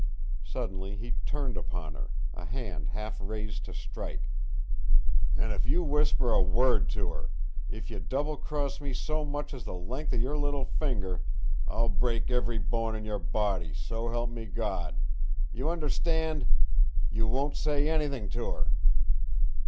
Suddenly he turned upon her, a hand half raised to strike. "An' if you whisper a word to her if y' double cross me so much as the length of your little finger I'll break every bone in your body, so help me God! You understand? You won't say anything to her?"